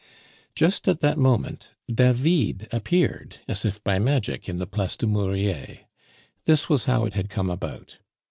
Just at that moment David appeared as if by magic in the Place du Murier. This was how it had come about.